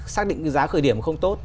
xác định cái giá khởi điểm không tốt